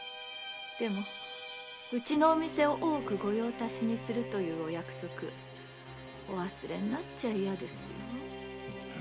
でもうちのお店を大奥御用達にするというお約束お忘れになっちゃ嫌ですよ。